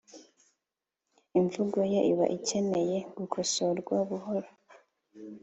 imvugo ye iba ikeneye gukosorwa buhoro